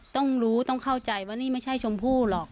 ต้องรู้ต้องเข้าใจว่านี่ไม่ใช่ชมพู่หรอก